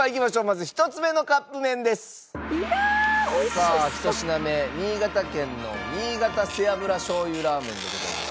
さあ１品目新潟県の新潟背脂醤油ラーメンでございます。